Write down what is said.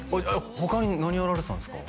他に何やられてたんですか？